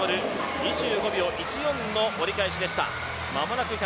２５秒１４の折り返しでした。